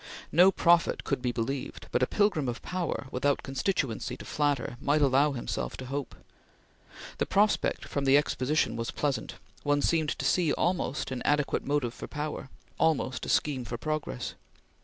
No prophet could be believed, but a pilgrim of power, without constituency to flatter, might allow himself to hope. The prospect from the Exposition was pleasant; one seemed to see almost an adequate motive for power; almost a scheme for progress.